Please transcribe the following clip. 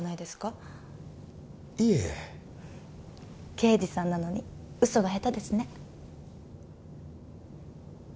刑事さんなのに嘘が下手ですね。